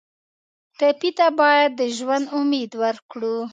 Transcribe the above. ټپي ته باید د ژوند امید ورکړو.